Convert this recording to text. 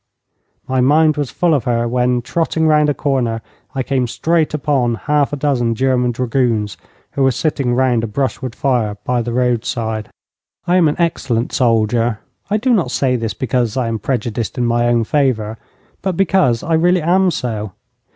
My mind was full of her when, trotting round a corner, I came straight upon half a dozen German dragoons, who were sitting round a brushwood fire by the roadside. I am an excellent soldier. I do not say this because I am prejudiced in my own favour, but because I really am so.